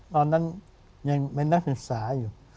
ตอนนั้นยังเป็นนักศึกษาอยู่